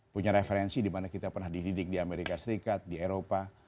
punya referensi di mana kita pernah dididik di amerika serikat di eropa